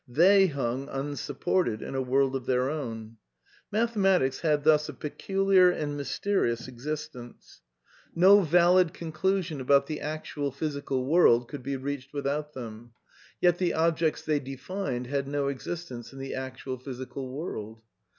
Tliey hung unsupported in a world of their own. Mathe matics had thus a peculiar and mysterious existence. No 162 A DEIENCE OF IDEALISM valid conclusion about the actual physical world could be reached without them ; yet the objects they defined had no existence in the actual physical world.